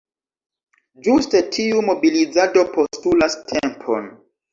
Ĝuste tiu mobilizado postulas tempon.